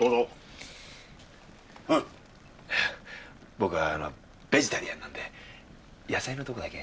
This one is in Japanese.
僕はあのベジタリアンなんで野菜のところだけ。